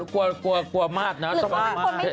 กลัวมากนะต้องมาก